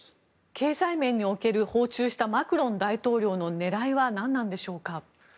経済面における訪中したマクロン大統領の狙いは何なんでしょうか？